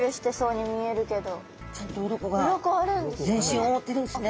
全身を覆ってるんですね。